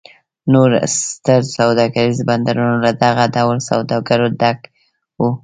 نور ستر سوداګریز بندرونه له دغه ډول سوداګرو ډک و.